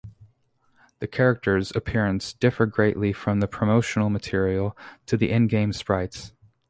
The characters appearance differ greatly from the promotional material to the in-game sprites.